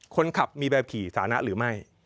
คนขับมีแบบขี่สานะหรือไม่